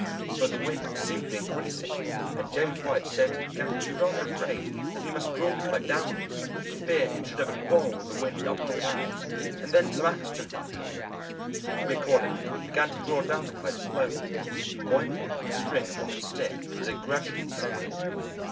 But the wind seemed to be increasing, and James White said he began to be rather afraid that he must draw the Kite downwards, for fear it should have a quarrel with the wind up in the clouds, and then some accident might happen. We accordingly began to draw down the Kite slowly, winding the string upon the stick as it gradually descended.